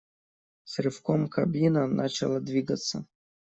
С рывком кабина начала двигаться.